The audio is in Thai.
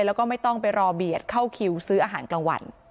แล้วก็ไม่ต้องไปรอเบียดเข้าคิวซื้ออาหารกลางวัน